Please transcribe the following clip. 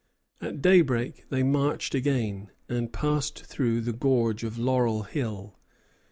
At daybreak they marched again, and passed through the gorge of Laurel Hill.